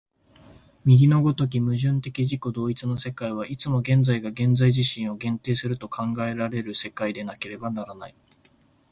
右の如き矛盾的自己同一の世界は、いつも現在が現在自身を限定すると考えられる世界でなければならない。